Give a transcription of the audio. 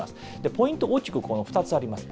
ポイント、大きく２つあります。